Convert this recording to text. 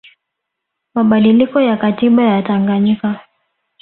mabadiliko ya katiba ya Tanganyika